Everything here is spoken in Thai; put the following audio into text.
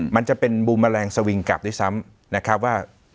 มันจะเป็นบูมแมลงสวิงกลับด้วยซ้ำนะครับว่า